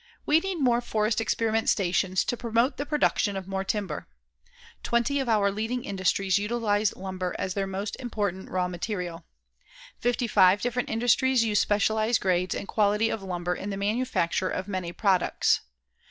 We need more forest experiment stations to promote the production of more timber. Twenty of our leading industries utilize lumber as their most important raw material. Fifty five different industries use specialized grades and quality of lumber in the manufacture of many products.